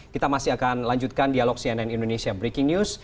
kita masih akan lanjutkan dialog cnn indonesia breaking news